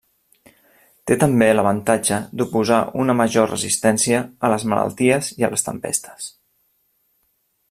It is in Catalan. Té també l'avantatge d'oposar una major resistència a les malalties i a les tempestes.